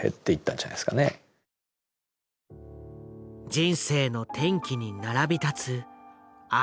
人生の転機に並び立つ兄と弟。